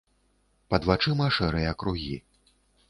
Пад вачыма шэрыя кругі.